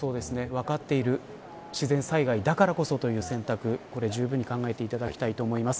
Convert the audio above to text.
分かっている自然災害だからこそという選択じゅうぶんに考えていただきたいと思います。